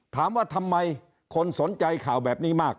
ถามว่าทำไมคนสนใจข่าวแบบนี้มาก